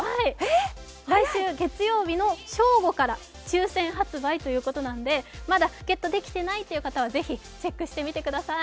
来週月曜日の正午から抽選発売ということなのでまだゲットできてないという方はぜひ、チェックしてみてください。